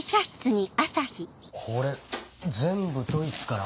これ全部ドイツから？